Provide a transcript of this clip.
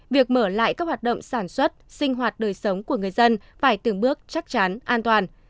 việc mở lại các hoạt động sản xuất sinh hoạt đời sống của người dân phải từng bước chắc chắn an toàn